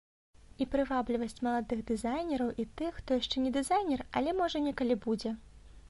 І прывабліваць маладых дызайнераў і тых, хто яшчэ не дызайнер, але, можа, некалі будзе.